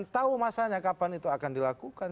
tahu masanya kapan itu akan dilakukan